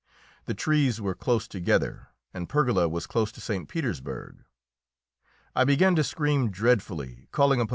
The trees were close together, and Pergola was close to St. Petersburg! I began to scream dreadfully, calling upon M.